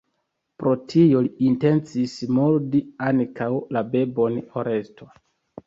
Pro tio li intencis murdi ankaŭ la bebon Oresto.